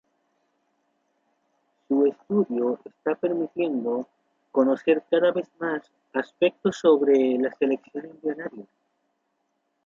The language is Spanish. Su estudio está permitiendo conocer cada vez más aspectos sobre la selección embrionaria.